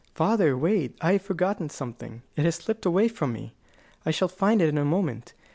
"Father, wait! I have forgotten something it has slipped away from me. I shall find it in a moment.